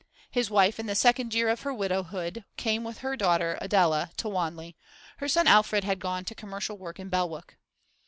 His wife, in the second year of her widowhood, came with her daughter Adela to Wanley; her son Alfred had gone to commercial work in Belwick.